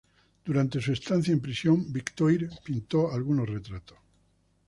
Durante su estancia en prisión, Victoire pintó algunos retratos.